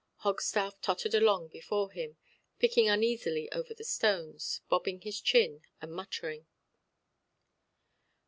Hogstaff tottered along before him, picking uneasily over the stones, bobbing his chin, and muttering.